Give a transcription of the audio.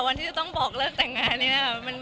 วันที่จะต้องบอกเลิกแต่งงานเนี่ย